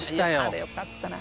あれよかったな。